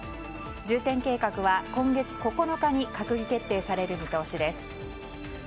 重点計画は今月９日に閣議決定される見通しです。